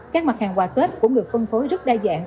các mặt hàng quà tết cũng được phân phối rất đa dạng